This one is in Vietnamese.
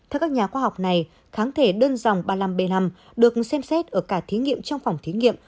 theo các nhà khoa học này kháng thể đơn dòng ba mươi năm b năm được xem xét ở cả thí nghiệm trong phòng thí nghiệm